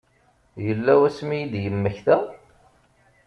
Yella wasmi i d-yemmekta?